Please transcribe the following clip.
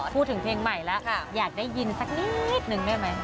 พูดถึงเพลงใหม่แล้วอยากได้ยินสักนิดนึงได้ไหม